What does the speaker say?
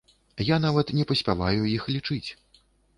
Я нават не паспяваю іх лічыць.